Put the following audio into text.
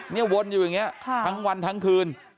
นี่วนอยู่อย่างนี้ทั้งวันทั้งคืน